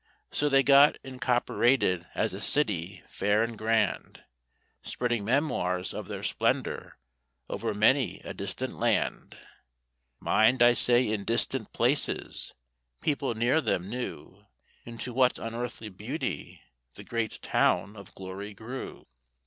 So they got incopperated as a city fair and grand, Spreading memoirs of their splendour over many a distant land, Mind I say in distant places—people near them knew Into what unearthly beauty the great town of Glory grew.